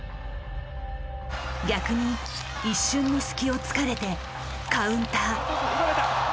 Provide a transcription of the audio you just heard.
逆に一瞬の隙をつかれてカウンター。